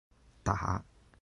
打